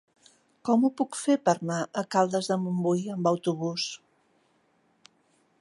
Com ho puc fer per anar a Caldes de Montbui amb autobús?